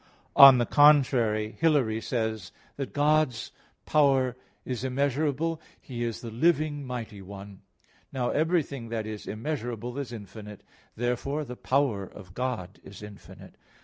On the contrary, Hilary says (De Trin. viii), that "God's power is immeasurable. He is the living mighty one." Now everything that is immeasurable is infinite. Therefore the power of God is infinite.